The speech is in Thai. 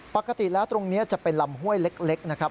ปกติแล้วตรงนี้จะเป็นลำห้วยเล็กนะครับ